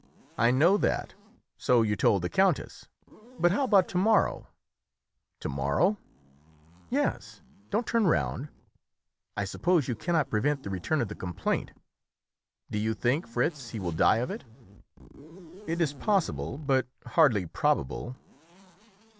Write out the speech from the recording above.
"I know that so you told the countess but how about to morrow?" "To morrow?" "Yes; don't turn round. I suppose you cannot prevent the return of the complaint; do you think, Fritz, he will die of it?" "It is possible, but hardly probable."